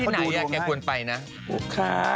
ที่ไหนอ่ะแกควรไปนะ